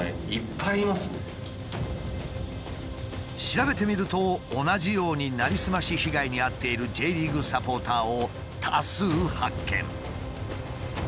調べてみると同じようになりすまし被害に遭っているＪリーグサポーターを多数発見。